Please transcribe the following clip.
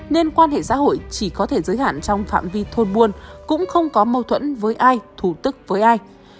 nên quan hệ xã hội chỉ có thể giới hạn trong phạm vi thôn buôn cũng không có mâu thuẫn với ai thủ tức với ai